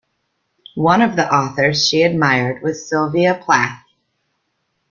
One of the authors she admired was Sylvia Plath.